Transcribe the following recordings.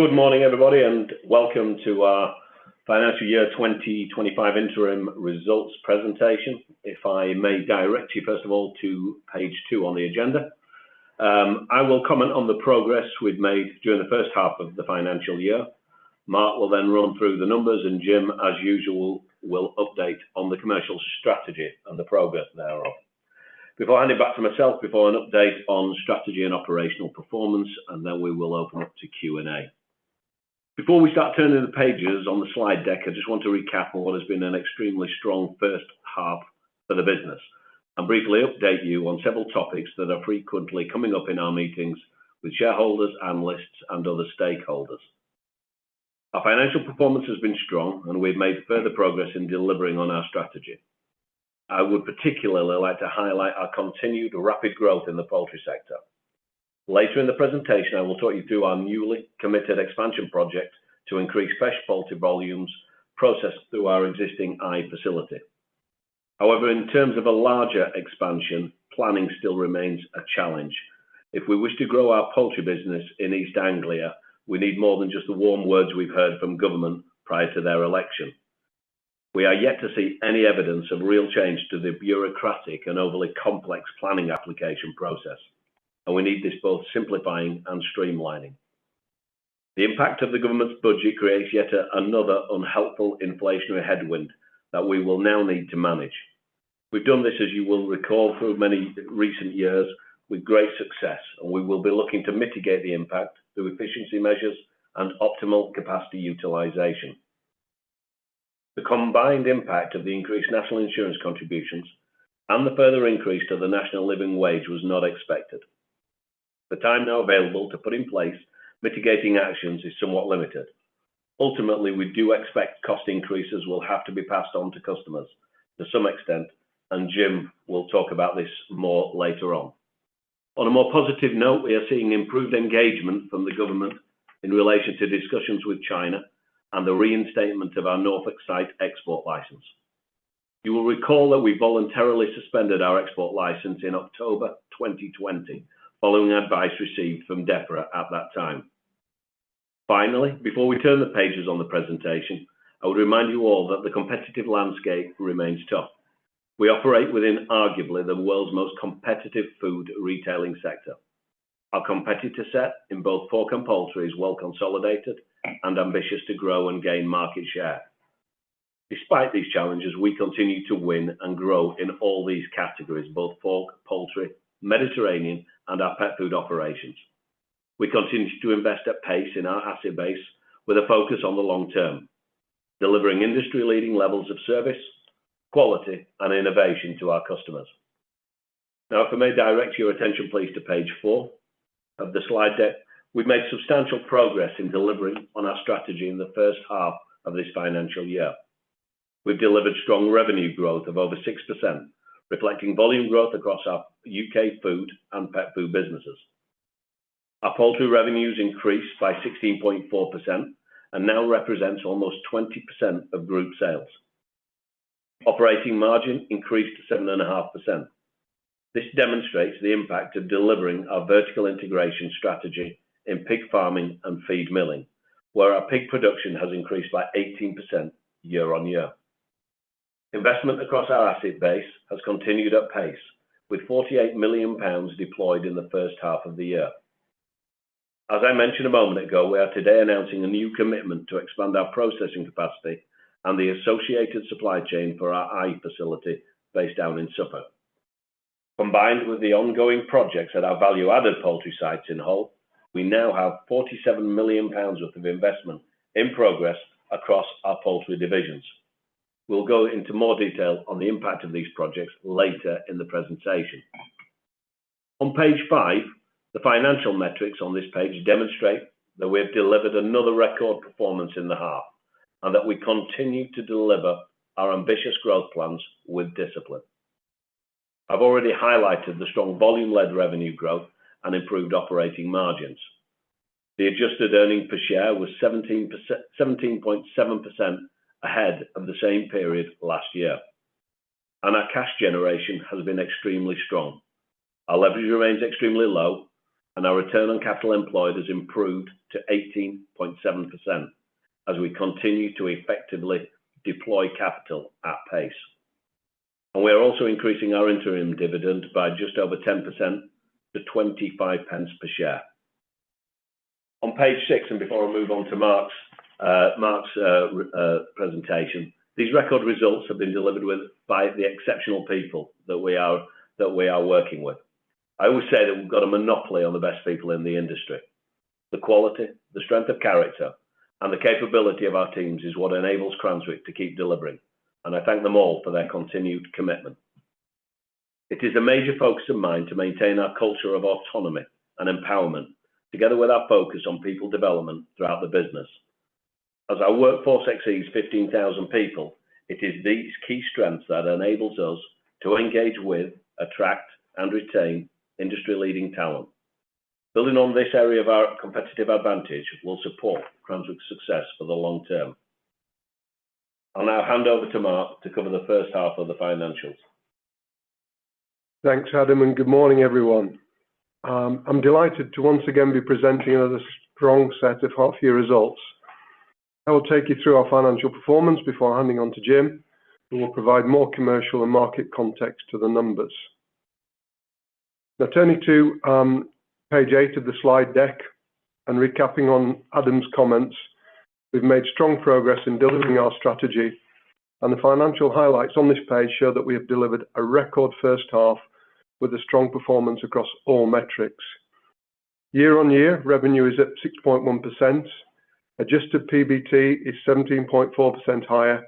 Good morning, everybody, and welcome to our financial year 2025 interim results presentation. If I may direct you, first of all, to page two on the agenda. I will comment on the progress we've made during the first half of the financial year. Mark will then run through the numbers, and Jim, as usual, will update on the commercial strategy and the progress thereof. Before I hand it back to myself, an update on strategy and operational performance, and then we will open up to Q&A. Before we start turning the pages on the slide deck, I just want to recap on what has been an extremely strong first half for the business and briefly update you on several topics that are frequently coming up in our meetings with shareholders, analysts, and other stakeholders. Our financial performance has been strong, and we've made further progress in delivering on our strategy. I would particularly like to highlight our continued rapid growth in the poultry sector. Later in the presentation, I will talk you through our newly committed expansion project to increase fresh poultry volumes processed through our existing Eye facility. However, in terms of a larger expansion, planning still remains a challenge. If we wish to grow our poultry business in East Anglia, we need more than just the warm words we've heard from government prior to their election. We are yet to see any evidence of real change to the bureaucratic and overly complex planning application process, and we need this both simplifying and streamlining. The impact of the government's budget creates yet another unhelpful inflationary headwind that we will now need to manage. We've done this, as you will recall, through many recent years with great success, and we will be looking to mitigate the impact through efficiency measures and optimal capacity utilization. The combined impact of the increased national insurance contributions and the further increase to the national living wage was not expected. The time now available to put in place mitigating actions is somewhat limited. Ultimately, we do expect cost increases will have to be passed on to customers to some extent, and Jim will talk about this more later on. On a more positive note, we are seeing improved engagement from the government in relation to discussions with China and the reinstatement of our Norfolk site export license. You will recall that we voluntarily suspended our export license in October 2020 following advice received from DEFRA at that time. Finally, before we turn the pages on the presentation, I would remind you all that the competitive landscape remains tough. We operate within arguably the world's most competitive food retailing sector. Our competitor set in both pork and poultry is well consolidated and ambitious to grow and gain market share. Despite these challenges, we continue to win and grow in all these categories: both pork, poultry, Mediterranean, and our pet food operations. We continue to invest at pace in our asset base with a focus on the long term, delivering industry-leading levels of service, quality, and innovation to our customers. Now, if I may direct your attention, please, to page four of the slide deck, we've made substantial progress in delivering on our strategy in the first half of this financial year. We've delivered strong revenue growth of over 6%, reflecting volume growth across our UK food and pet food businesses. Our poultry revenues increased by 16.4% and now represent almost 20% of group sales. Operating margin increased to 7.5%. This demonstrates the impact of delivering our vertical integration strategy in pig farming and feed milling, where our pig production has increased by 18% year on year. Investment across our asset base has continued at pace, with 48 million pounds deployed in the first half of the year. As I mentioned a moment ago, we are today announcing a new commitment to expand our processing capacity and the associated supply chain for our Eye facility based down in Suffolk. Combined with the ongoing projects at our value-added poultry sites in Hull, we now have 47 million pounds worth of investment in progress across our poultry divisions. We'll go into more detail on the impact of these projects later in the presentation. On page five, the financial metrics on this page demonstrate that we have delivered another record performance in the half and that we continue to deliver our ambitious growth plans with discipline. I've already highlighted the strong volume-led revenue growth and improved operating margins. The adjusted earnings per share was 17.7% ahead of the same period last year, and our cash generation has been extremely strong. Our leverage remains extremely low, and our return on capital employed has improved to 18.7% as we continue to effectively deploy capital at pace. We are also increasing our interim dividend by just over 10% to 25 pence per share. On page six, and before I move on to Mark's presentation, these record results have been delivered by the exceptional people that we are working with. I always say that we've got a monopoly on the best people in the industry. The quality, the strength of character, and the capability of our teams is what enables Cranswick to keep delivering, and I thank them all for their continued commitment. It is a major focus of mine to maintain our culture of autonomy and empowerment, together with our focus on people development throughout the business. As our workforce exceeds 15,000 people, it is these key strengths that enable us to engage with, attract, and retain industry-leading talent. Building on this area of our competitive advantage will support Cranswick's success for the long term. I'll now hand over to Mark to cover the first half of the financials. Thanks, Adam, and good morning, everyone. I'm delighted to once again be presenting another strong set of half-year results. I will take you through our financial performance before handing over to Jim, who will provide more commercial and market context to the numbers. Now, turning to page eight of the slide deck and recapping on Adam's comments, we've made strong progress in delivering our strategy, and the financial highlights on this page show that we have delivered a record first half with a strong performance across all metrics. Year on year, revenue is at 6.1%, adjusted PBT is 17.4% higher,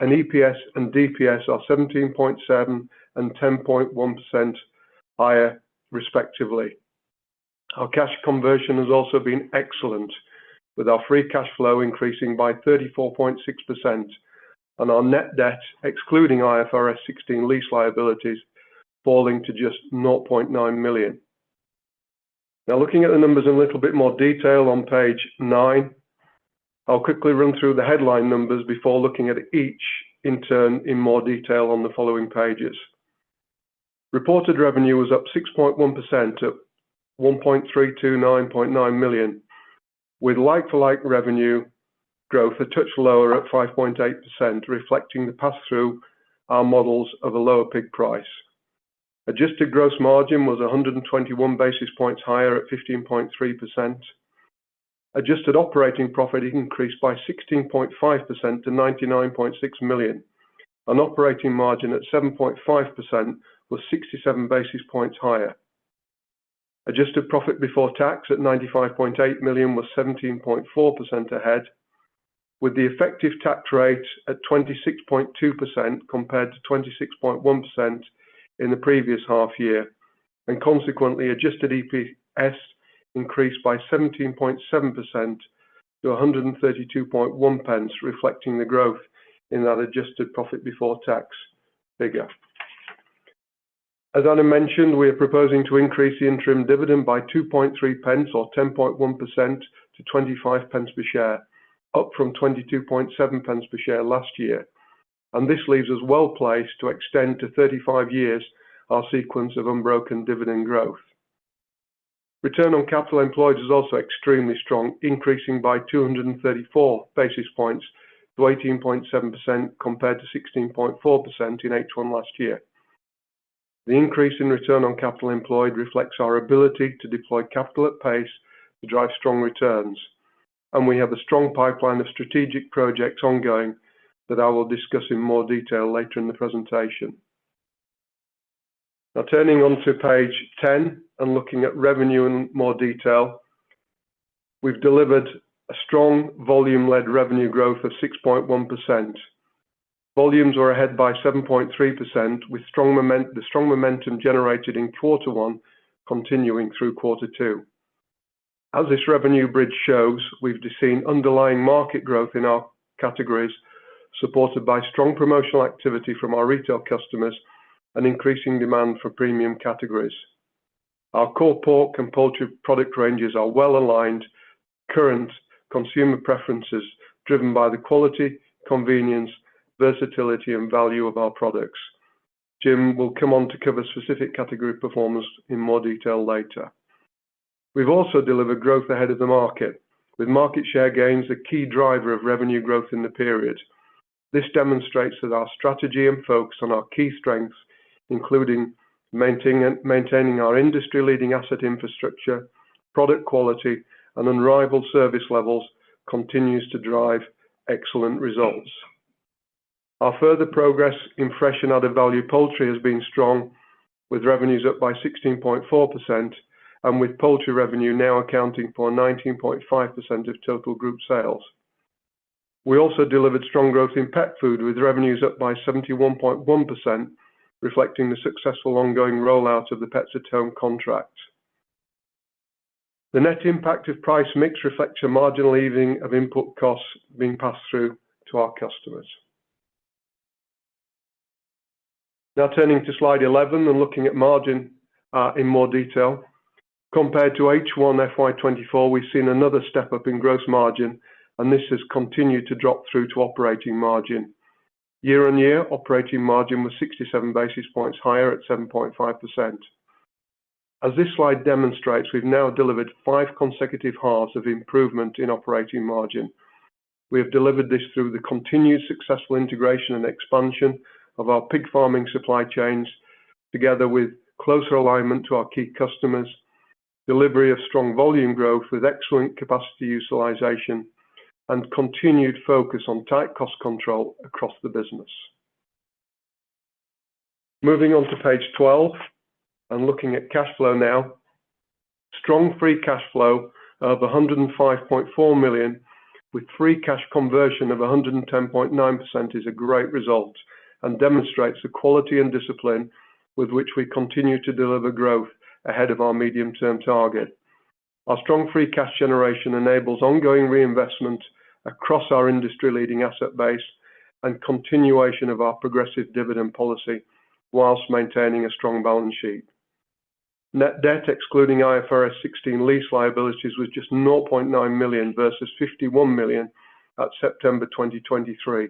and EPS and DPS are 17.7% and 10.1% higher, respectively. Our cash conversion has also been excellent, with our free cash flow increasing by 34.6% and our net debt, excluding IFRS 16 lease liabilities, falling to just 0.9 million. Now, looking at the numbers in a little bit more detail on page nine, I'll quickly run through the headline numbers before looking at each in turn in more detail on the following pages. Reported revenue was up 6.1% to £1,329.9 million, with like-for-like revenue growth a touch lower at 5.8%, reflecting the pass-through our models of a lower pig price. Adjusted gross margin was 121 basis points higher at 15.3%. Adjusted operating profit increased by 16.5% to £99.6 million, and operating margin at 7.5% was 67 basis points higher. Adjusted profit before tax at £95.8 million was 17.4% ahead, with the effective tax rate at 26.2% compared to 26.1% in the previous half year, and consequently, adjusted EPS increased by 17.7% to 132.1 pence, reflecting the growth in that adjusted profit before tax figure. As Adam mentioned, we are proposing to increase the interim dividend by 2.3 pence or 10.1% to 25 pence per share, up from 22.7 pence per share last year. And this leaves us well placed to extend to 35 years our sequence of unbroken dividend growth. Return on capital employed is also extremely strong, increasing by 234 basis points to 18.7% compared to 16.4% in H1 last year. The increase in return on capital employed reflects our ability to deploy capital at pace to drive strong returns, and we have a strong pipeline of strategic projects ongoing that I will discuss in more detail later in the presentation. Now, turning on to page ten and looking at revenue in more detail, we've delivered a strong volume-led revenue growth of 6.1%. Volumes were ahead by 7.3%, with the strong momentum generated in quarter one continuing through quarter two. As this revenue bridge shows, we've seen underlying market growth in our categories supported by strong promotional activity from our retail customers and increasing demand for premium categories. Our core pork and poultry product ranges are well aligned with current consumer preferences driven by the quality, convenience, versatility, and value of our products. Jim will come on to cover specific category performance in more detail later. We've also delivered growth ahead of the market, with market share gains a key driver of revenue growth in the period. This demonstrates that our strategy and focus on our key strengths, including maintaining our industry-leading asset infrastructure, product quality, and unrivaled service levels, continues to drive excellent results. Our further progress in fresh and added value poultry has been strong, with revenues up by 16.4% and with poultry revenue now accounting for 19.5% of total group sales. We also delivered strong growth in pet food, with revenues up by 71.1%, reflecting the successful ongoing rollout of the Pets at Home contracts. The net impact of price mix reflects a marginal easing of input costs being passed through to our customers. Now, turning to slide 11 and looking at margin in more detail, compared to H1 FY24, we've seen another step up in gross margin, and this has continued to drop through to operating margin. Year on year, operating margin was 67 basis points higher at 7.5%. As this slide demonstrates, we've now delivered five consecutive halves of improvement in operating margin. We have delivered this through the continued successful integration and expansion of our pig farming supply chains, together with closer alignment to our key customers, delivery of strong volume growth with excellent capacity utilization, and continued focus on tight cost control across the business. Moving on to page 12 and looking at cash flow now, strong free cash flow of 105.4 million, with free cash conversion of 110.9%, is a great result and demonstrates the quality and discipline with which we continue to deliver growth ahead of our medium-term target. Our strong free cash generation enables ongoing reinvestment across our industry-leading asset base and continuation of our progressive dividend policy whilst maintaining a strong balance sheet. Net debt, excluding IFRS 16 lease liabilities, was just 0.9 million versus 51 million at September 2023.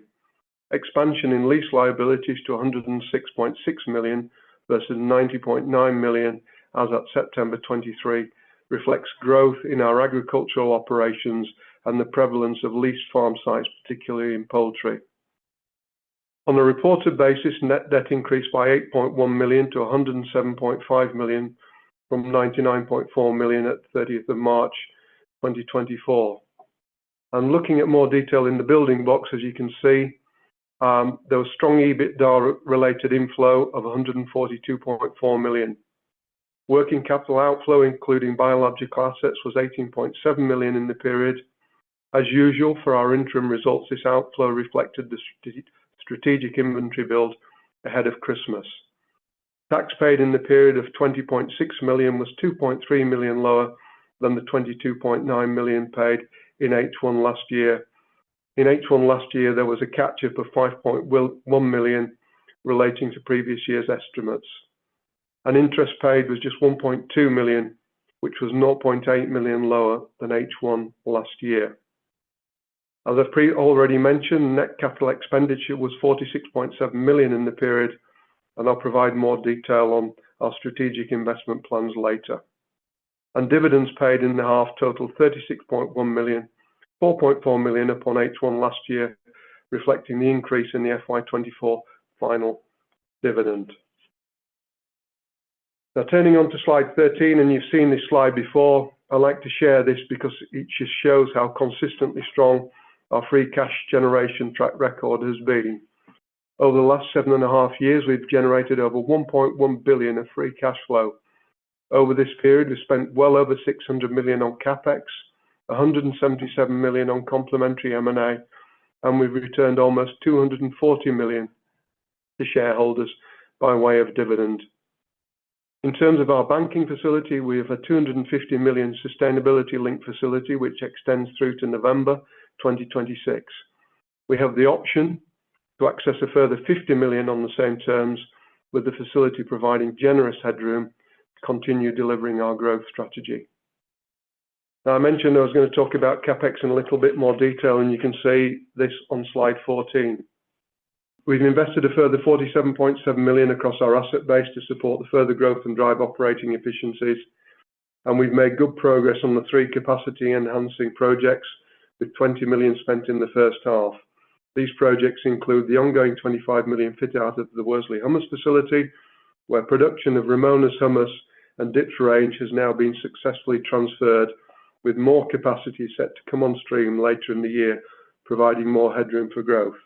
Expansion in lease liabilities to 106.6 million versus 90.9 million as of September 2023 reflects growth in our agricultural operations and the prevalence of leased farm sites, particularly in poultry. On a reported basis, net debt increased by 8.1 million to 107.5 million from 99.4 million at 30 March 2024. Looking at more detail in the building blocks, as you can see, there was strong EBITDA-related inflow of 142.4 million. Working capital outflow, including biological assets, was 18.7 million in the period. As usual for our interim results, this outflow reflected the strategic inventory build ahead of Christmas. Tax paid in the period of 20.6 million was 2.3 million lower than the 22.9 million paid in H1 last year. In H1 last year, there was a catch-up of 5.1 million relating to previous year's estimates. Interest paid was just 1.2 million, which was 0.8 million lower than H1 last year. As I've already mentioned, net capital expenditure was 46.7 million in the period, and I'll provide more detail on our strategic investment plans later. Dividends paid in the half totaled 36.4 million up on H1 last year, reflecting the increase in the FY24 final dividend. Now, turning on to slide 13, and you've seen this slide before, I'd like to share this because it just shows how consistently strong our free cash generation track record has been. Over the last seven and a half years, we've generated over 1.1 billion of free cash flow. Over this period, we spent well over 600 million on CapEx, 177 million on complementary M&A, and we've returned almost 240 million to shareholders by way of dividend. In terms of our banking facility, we have a 250 million sustainability-linked facility which extends through to November 2026. We have the option to access a further 50 million on the same terms, with the facility providing generous headroom to continue delivering our growth strategy. I mentioned I was going to talk about CapEx in a little bit more detail, and you can see this on slide 14. We've invested a further 47.7 million across our asset base to support the further growth and drive operating efficiencies, and we've made good progress on the three capacity-enhancing projects with 20 million spent in the first half. These projects include the ongoing 25 million fit-out of the Worsley hummus facility, where production of Ramona's hummus and dips range has now been successfully transferred, with more capacity set to come on stream later in the year, providing more headroom for growth.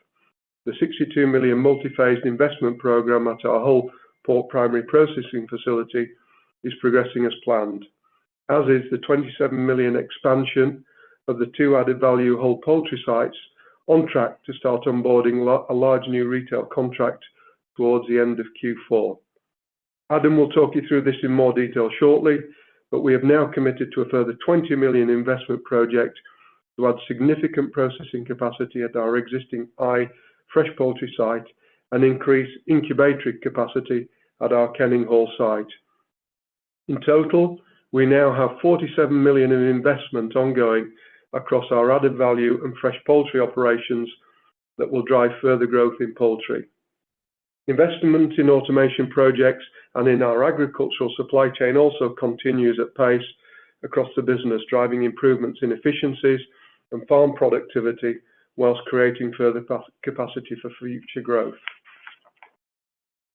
The 62 million multi-phased investment program at our pork primary processing facility is progressing as planned, as is the 27 million expansion of the two added value whole poultry sites on track to start onboarding a large new retail contract towards the end of Q4. Adam will talk you through this in more detail shortly, but we have now committed to a further £20 million investment project to add significant processing capacity at our existing fresh poultry site and increase incubator capacity at our Kenninghall site. In total, we now have £47 million in investment ongoing across our added value and fresh poultry operations that will drive further growth in poultry. Investment in automation projects and in our agricultural supply chain also continues at pace across the business, driving improvements in efficiencies and farm productivity whilst creating further capacity for future growth.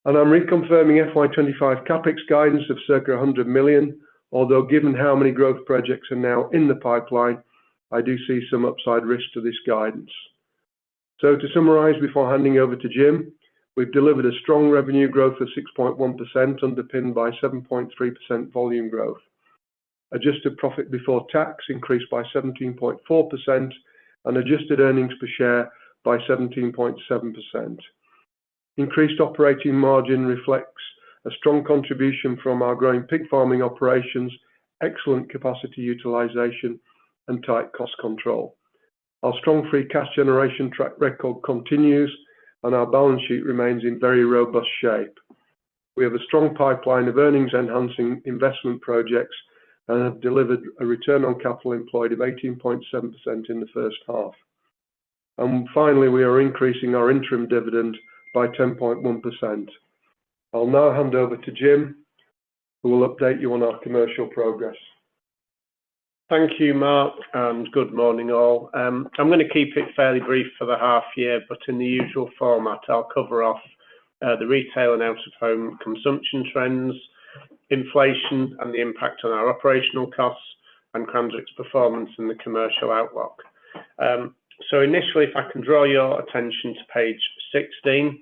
And I'm reconfirming FY25 CapEx guidance of circa £100 million, although given how many growth projects are now in the pipeline, I do see some upside risk to this guidance. To summarize before handing over to Jim, we've delivered a strong revenue growth of 6.1% underpinned by 7.3% volume growth, adjusted profit before tax increased by 17.4%, and adjusted earnings per share by 17.7%. Increased operating margin reflects a strong contribution from our growing pig farming operations, excellent capacity utilization, and tight cost control. Our strong free cash generation track record continues, and our balance sheet remains in very robust shape. We have a strong pipeline of earnings-enhancing investment projects and have delivered a return on capital employed of 18.7% in the first half. Finally, we are increasing our interim dividend by 10.1%. I'll now hand over to Jim, who will update you on our commercial progress. Thank you, Mark, and good morning, all. I'm going to keep it fairly brief for the half year, but in the usual format, I'll cover off the retail and out-of-home consumption trends, inflation, and the impact on our operational costs and Cranswick's performance in the commercial outlook. So initially, if I can draw your attention to page 16,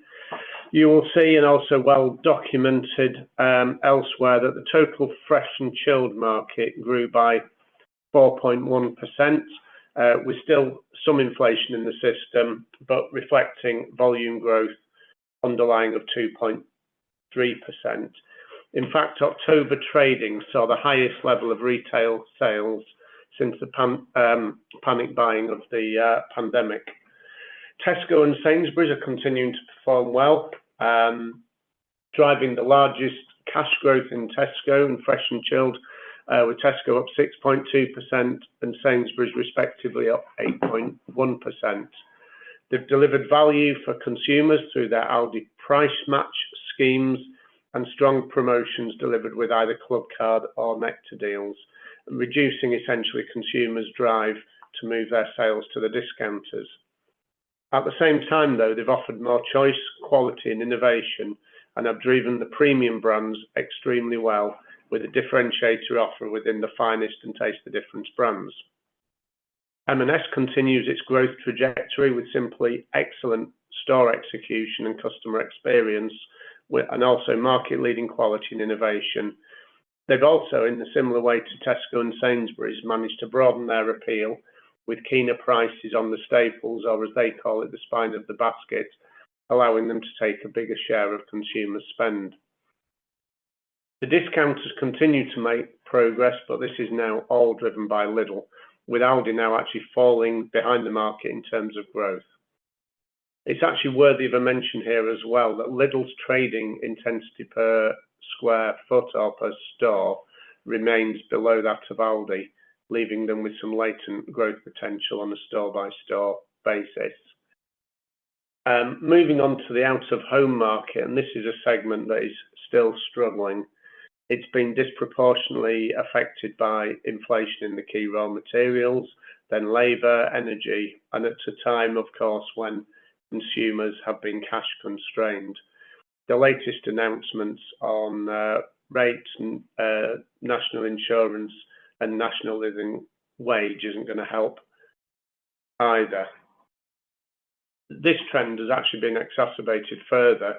you will see, and also well documented elsewhere, that the total fresh and chilled market grew by 4.1%. We still have some inflation in the system, but reflecting volume growth underlying of 2.3%. In fact, October trading saw the highest level of retail sales since the panic buying of the pandemic. Tesco and Sainsbury's are continuing to perform well, driving the largest cash growth in Tesco and fresh and chilled, with Tesco up 6.2% and Sainsbury's respectively up 8.1%. They've delivered value for consumers through their Aldi price match schemes and strong promotions delivered with either Clubcard or Nectar deals, reducing essentially consumers' drive to move their sales to the discounters. At the same time, though, they've offered more choice, quality, and innovation and have driven the premium brands extremely well with a differentiator offer within the Finest and Taste the Difference brands. M&S continues its growth trajectory with simply excellent store execution and customer experience and also market-leading quality and innovation. They've also, in a similar way to Tesco and Sainsbury's, managed to broaden their appeal with keener prices on the staples, or as they call it, the spine of the basket, allowing them to take a bigger share of consumer spend. The discounters continue to make progress, but this is now all driven by Lidl, with Aldi now actually falling behind the market in terms of growth. It's actually worthy of a mention here as well that Lidl's trading intensity per square foot or per store remains below that of Aldi, leaving them with some latent growth potential on a store-by-store basis. Moving on to the out-of-home market, and this is a segment that is still struggling. It's been disproportionately affected by inflation in the key raw materials, then labor, energy, and at a time, of course, when consumers have been cash constrained. The latest announcements on rates and National Insurance and National Living Wage aren't going to help either. This trend has actually been exacerbated further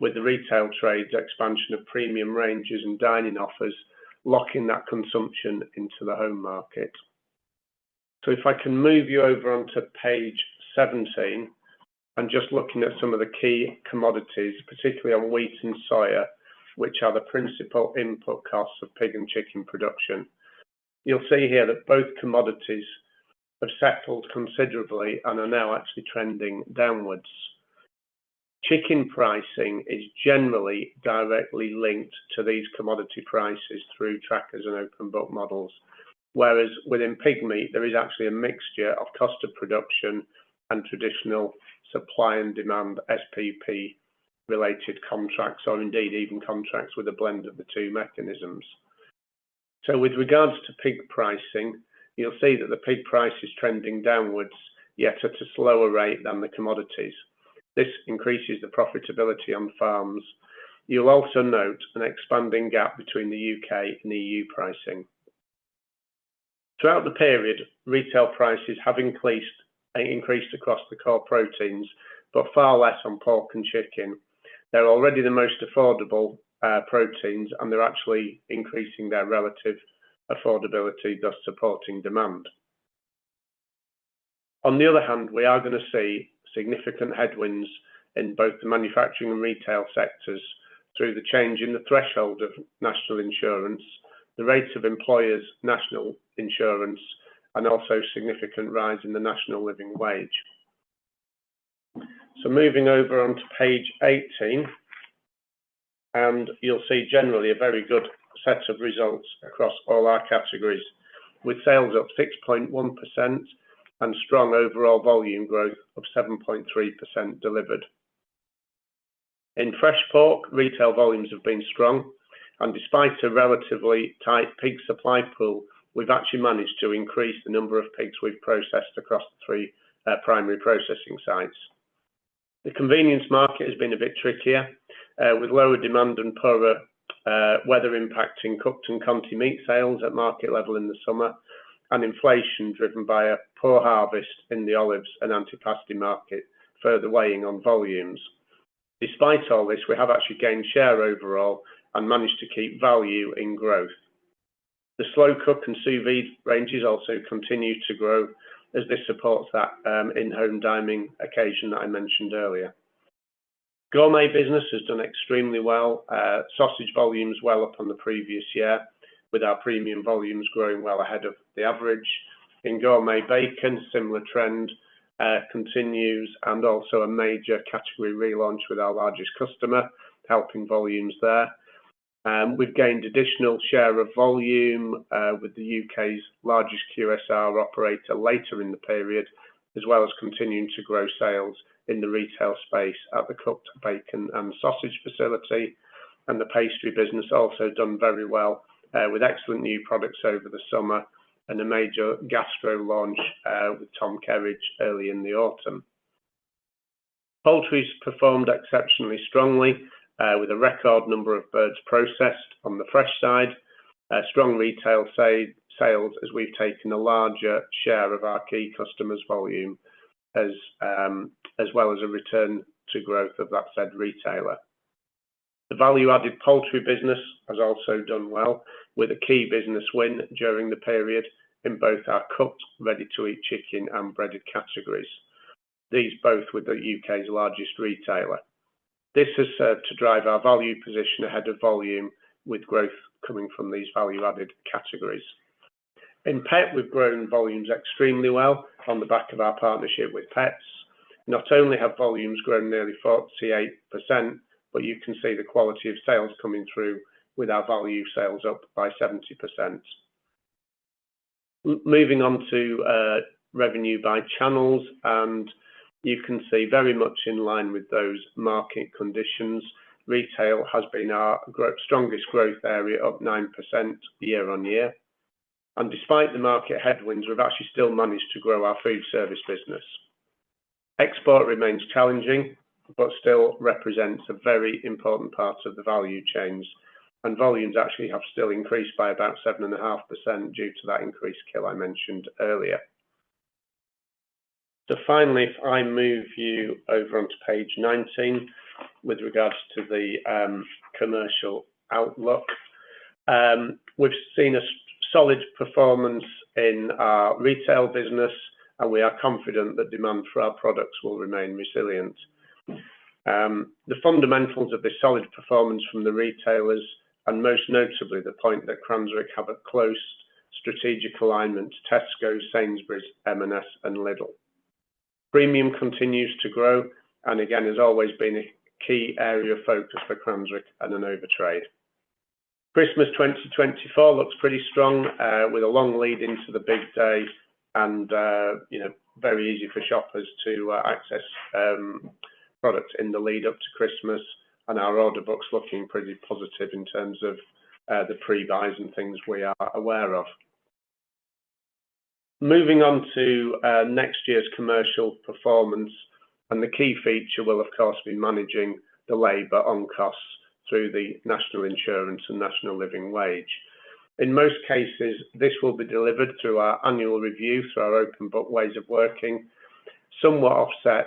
with the retail trade's expansion of premium ranges and dining offers, locking that consumption into the home market. So if I can move you over onto page 17 and just looking at some of the key commodities, particularly on wheat and soya, which are the principal input costs of pig and chicken production, you'll see here that both commodities have settled considerably and are now actually trending downwards. Chicken pricing is generally directly linked to these commodity prices through trackers and open book models, whereas within pig meat, there is actually a mixture of cost of production and traditional supply and demand SPP-related contracts, or indeed even contracts with a blend of the two mechanisms. So with regards to pig pricing, you'll see that the pig price is trending downwards, yet at a slower rate than the commodities. This increases the profitability on farms. You'll also note an expanding gap between the U.K. and E.U. pricing. Throughout the period, retail prices have increased across the core proteins, but far less on pork and chicken. They're already the most affordable proteins, and they're actually increasing their relative affordability, thus supporting demand. On the other hand, we are going to see significant headwinds in both the manufacturing and retail sectors through the change in the threshold of National Insurance, the rates of employers' National Insurance, and also a significant rise in the National Living Wage. So moving over onto page 18, and you'll see generally a very good set of results across all our categories, with sales up 6.1% and strong overall volume growth of 7.3% delivered. In fresh pork, retail volumes have been strong, and despite a relatively tight pig supply pool, we've actually managed to increase the number of pigs we've processed across the three primary processing sites. The convenience market has been a bit trickier, with lower demand and poorer weather impacting cooked and cured meat sales at market level in the summer, and inflation driven by a poor harvest in the olives and antipasti market further weighing on volumes. Despite all this, we have actually gained share overall and managed to keep value in growth. The slow cook and sous vide ranges also continue to grow, as this supports that in-home dining occasion that I mentioned earlier. Gourmet business has done extremely well. Sausage volume is well up on the previous year, with our premium volumes growing well ahead of the average. In gourmet bacon, similar trend continues, and also a major category relaunch with our largest customer, helping volumes there. We've gained additional share of volume with the U.K.'s largest QSR operator later in the period, as well as continuing to grow sales in the retail space at the cooked bacon and sausage facility. And the pastry business also has done very well, with excellent new products over the summer and a major gastro launch with Tom Kerridge early in the autumn. Poultry has performed exceptionally strongly, with a record number of birds processed on the fresh side. Strong retail sales, as we've taken a larger share of our key customers' volume, as well as a return to growth of that said retailer. The value-added poultry business has also done well, with a key business win during the period in both our cooked, ready-to-eat chicken, and breaded categories. These, both with the U.K.'s largest retailer. This has served to drive our value position ahead of volume, with growth coming from these value-added categories. In pet, we've grown volumes extremely well on the back of our partnership with Pets at Home. Not only have volumes grown nearly 48%, but you can see the quality of sales coming through with our value sales up by 70%. Moving on to revenue by channels, and you can see very much in line with those market conditions, retail has been our strongest growth area, up 9% year on year. Despite the market headwinds, we've actually still managed to grow our food service business. Export remains challenging, but still represents a very important part of the value chains. Volumes actually have still increased by about 7.5% due to that increased kill I mentioned earlier. So finally, if I move you over onto page 19, with regards to the commercial outlook, we've seen a solid performance in our retail business, and we are confident that demand for our products will remain resilient. The fundamentals of this solid performance from the retailers, and most notably the point that Cranswick have a close strategic alignment to Tesco, Sainsbury's, M&S, and Lidl. Premium continues to grow, and again, has always been a key area of focus for Cranswick and an overtrade. Christmas 2024 looks pretty strong, with a long lead into the big day and very easy for shoppers to access products in the lead up to Christmas, and our order books looking pretty positive in terms of the pre-buys and things we are aware of. Moving on to next year's commercial performance, and the key feature will, of course, be managing the labor on costs through the National Insurance and National Living Wage. In most cases, this will be delivered through our annual review, through our open book ways of working, somewhat offset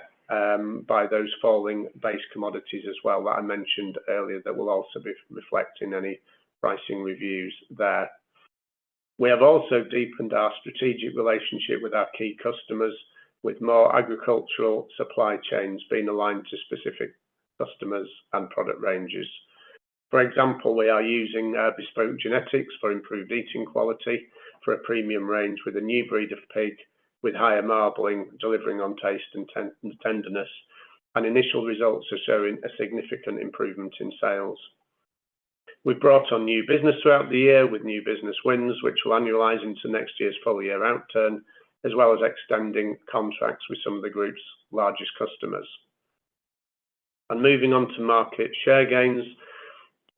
by those falling base commodities as well that I mentioned earlier that will also be reflecting any pricing reviews there. We have also deepened our strategic relationship with our key customers, with more agricultural supply chains being aligned to specific customers and product ranges. For example, we are using bespoke genetics for improved eating quality for a premium range with a new breed of pig, with higher marbling, delivering on taste and tenderness, and initial results are showing a significant improvement in sales. We've brought on new business throughout the year with new business wins, which will annualize into next year's full year outturn, as well as extending contracts with some of the group's largest customers. And moving on to market share gains,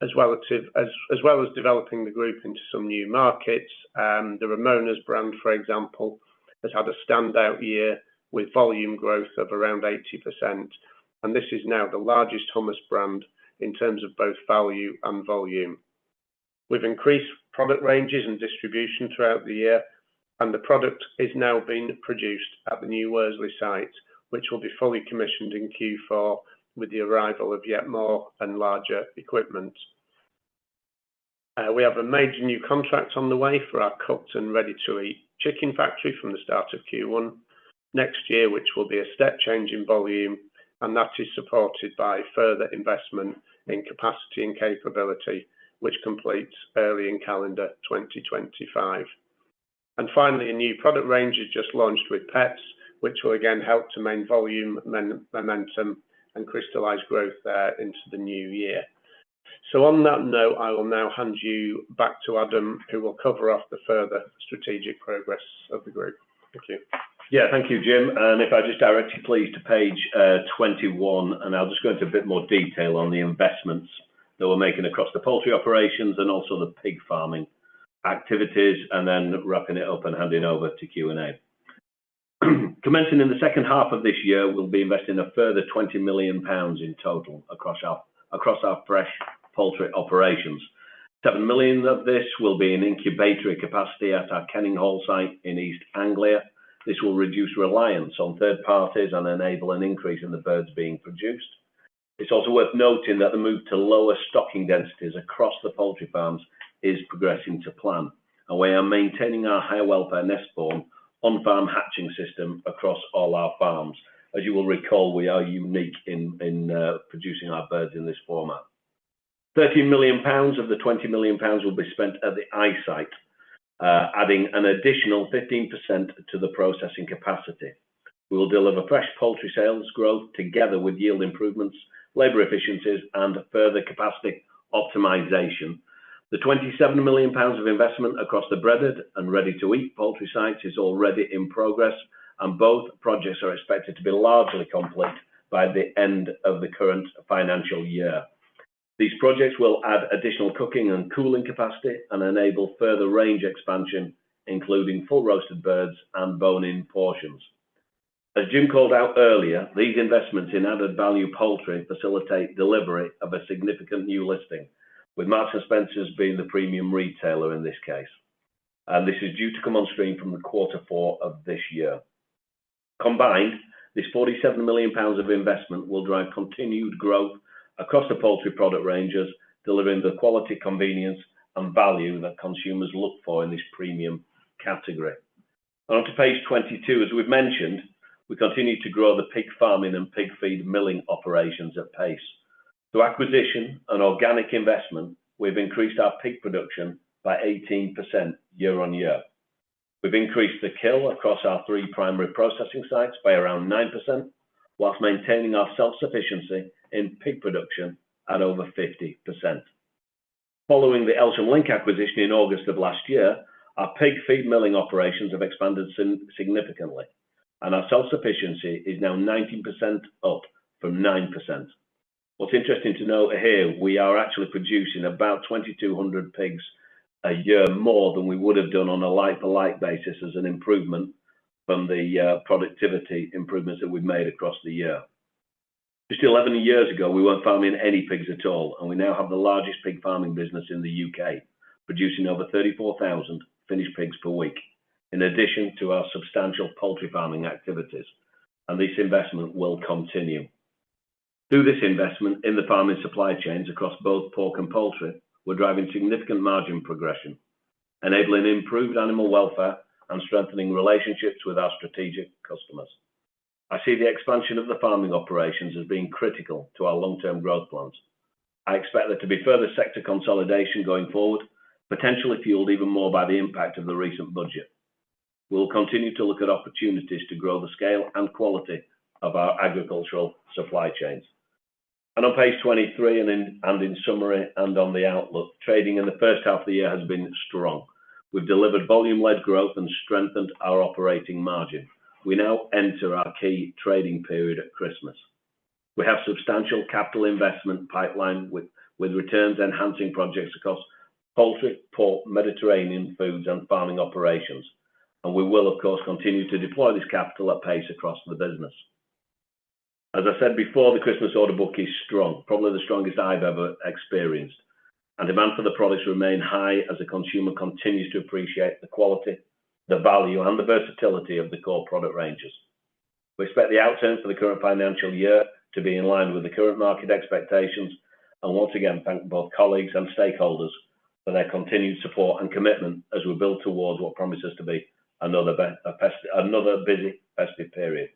as well as developing the group into some new markets, the Ramona's brand, for example, has had a standout year with volume growth of around 80%. And this is now the largest hummus brand in terms of both value and volume. We've increased product ranges and distribution throughout the year, and the product is now being produced at the new Worsley site, which will be fully commissioned in Q4 with the arrival of yet more and larger equipment. We have a major new contract on the way for our cooked and ready-to-eat chicken factory from the start of Q1 next year, which will be a step change in volume, and that is supported by further investment in capacity and capability, which completes early in calendar 2025. And finally, a new product range has just launched with Pets at Home, which will again help to maintain volume, momentum, and crystallize growth there into the new year. So on that note, I will now hand you back to Adam, who will cover off the further strategic progress of the group. Thank you. Yeah, thank you, Jim. And if I just direct you please to page 21, and I'll just go into a bit more detail on the investments that we're making across the poultry operations and also the pig farming activities, and then wrapping it up and handing over to Q&A. Commenting in the second half of this year, we'll be investing a further 20 million pounds in total across our fresh poultry operations. 7 million of this will be in incubator capacity at our Kenninghall site in East Anglia. This will reduce reliance on third parties and enable an increase in the birds being produced. It's also worth noting that the move to lower stocking densities across the poultry farms is progressing to plan, and we are maintaining our high welfare NestBorn on farm hatching system across all our farms. As you will recall, we are unique in producing our birds in this format. 30 million pounds of the 20 million pounds will be spent at the Eye site, adding an additional 15% to the processing capacity. We will deliver fresh poultry sales growth together with yield improvements, labor efficiencies, and further capacity optimization. The 27 million pounds of investment across the breaded and ready-to-eat poultry sites is already in progress, and both projects are expected to be largely complete by the end of the current financial year. These projects will add additional cooking and cooling capacity and enable further range expansion, including full roasted birds and bone-in portions. As Jim called out earlier, these investments in added value poultry facilitate delivery of a significant new listing, with Marks & Spencer being the premium retailer in this case, and this is due to come on screen from the quarter four of this year. Combined, this 47 million pounds of investment will drive continued growth across the poultry product ranges, delivering the quality, convenience, and value that consumers look for in this premium category. Onto page 22, as we've mentioned, we continue to grow the pig farming and pig feed milling operations at pace. Through acquisition and organic investment, we've increased our pig production by 18% year on year. We've increased the kill across our three primary processing sites by around 9%, while maintaining our self-sufficiency in pig production at over 50%. Following the Elsham Linc acquisition in August of last year, our pig feed milling operations have expanded significantly, and our self-sufficiency is now 19% up from 9%. What's interesting to note here, we are actually producing about 2,200 pigs a year more than we would have done on a like-for-like basis as an improvement from the productivity improvements that we've made across the year. Just 11 years ago, we weren't farming any pigs at all, and we now have the largest pig farming business in the UK, producing over 34,000 finished pigs per week, in addition to our substantial poultry farming activities. And this investment will continue. Through this investment in the farming supply chains across both pork and poultry, we're driving significant margin progression, enabling improved animal welfare and strengthening relationships with our strategic customers. I see the expansion of the farming operations as being critical to our long-term growth plans. I expect there to be further sector consolidation going forward, potentially fueled even more by the impact of the recent budget. We'll continue to look at opportunities to grow the scale and quality of our agricultural supply chains. And on page 23, and in summary, and on the outlook, trading in the first half of the year has been strong. We've delivered volume-led growth and strengthened our operating margin. We now enter our key trading period at Christmas. We have substantial capital investment pipeline with returns enhancing projects across poultry, pork, Mediterranean foods, and farming operations. And we will, of course, continue to deploy this capital at pace across the business. As I said before, the Christmas order book is strong, probably the strongest I've ever experienced. And demand for the products remains high as the consumer continues to appreciate the quality, the value, and the versatility of the core product ranges. We expect the outturn for the current financial year to be in line with the current market expectations. And once again, thank both colleagues and stakeholders for their continued support and commitment as we build towards what promises to be another busy festive period.